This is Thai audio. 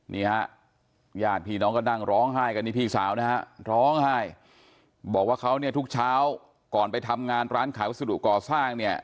นี่ฮะญาติพี่น้องก็นั่งร้องไห้กันนี่พี่สาวนะฮะร้องไห้บอกว่าเขาเนี่ยทุกเช้าก่อนไปทำงานร้านขายวัสดุก่อสร้างเนี่ย